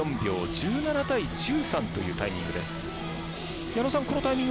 １７対１３というタイミング。